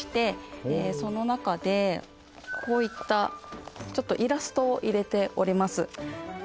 その中でこういったイラストを入れております。